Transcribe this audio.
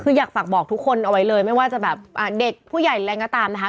คืออยากฝากบอกทุกคนเอาไว้เลยไม่ว่าจะแบบเด็กผู้ใหญ่แรงก็ตามนะคะ